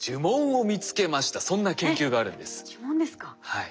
はい。